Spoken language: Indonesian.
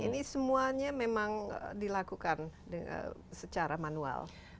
ini semuanya memang dilakukan secara manual